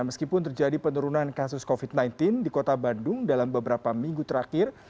meskipun terjadi penurunan kasus covid sembilan belas di kota bandung dalam beberapa minggu terakhir